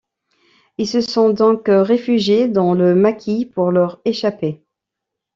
Ils se sont donc réfugiés dans le maquis pour leur échapper.